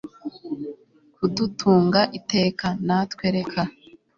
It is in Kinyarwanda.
kudutunga iteka, natwe reka